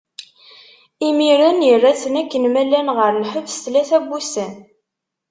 Imiren, irra-ten akken ma llan ɣer lḥebs, tlata n wussan.